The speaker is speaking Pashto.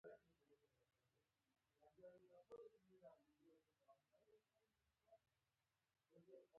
په افغانستان کې د کندز سیند شتون لري.